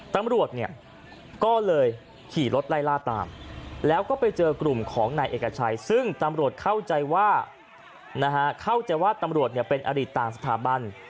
ตำรวจเนี่ยก็เลยขี่รถไล่ล่าตามแล้วก็ไปเจอกลุ่มของนายเอกชัยซึ่งตำรวจเข้าใจว่าเข้าใจว่าตำรวจเป็นอดีตต่างสถาบัน